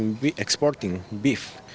kita juga menawarkan daging